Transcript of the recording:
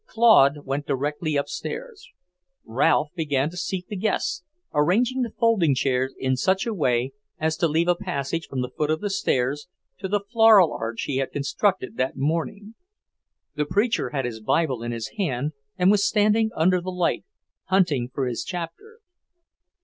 Claude went directly upstairs. Ralph began to seat the guests, arranging the folding chairs in such a way as to leave a passage from the foot of the stairs to the floral arch he had constructed that morning. The preacher had his Bible in his hand and was standing under the light, hunting for his chapter.